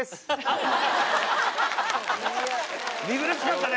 見苦しかったね